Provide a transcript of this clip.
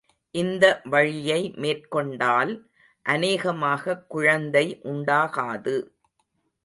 இந்த வழியை மேற்கொண்டால் அநேகமாகக் குழந்தை உண்டாகாது.